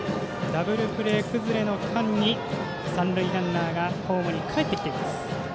ダブルプレー崩れの間に三塁ランナーがホームにかえってきています。